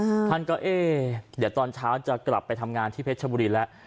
อือน่ะท่านก็เอ๋ห์เดี๋ยวตอนเช้าจะกลับไปทำงานที่เพชรชบุรีละ